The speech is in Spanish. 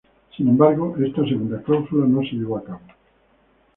Sin embargo, esta segunda clausula no se llevó a cabo.